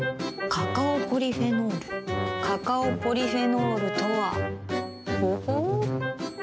カカオポリフェノールカカオポリフェノールとはほほう。